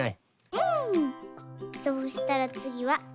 うん！